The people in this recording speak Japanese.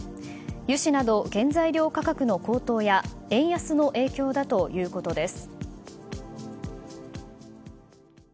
油脂など原材料価格の高騰や円安の影響だということです。